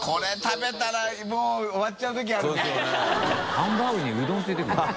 ハンバーグにうどん付いてくるの？